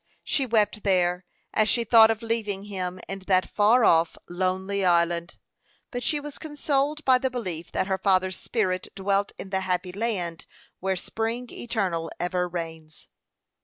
She wept there, as she thought of leaving him in that far off, lonely island; but she was consoled by the belief that her father's spirit dwelt in the happy land, where spring eternal ever reigns.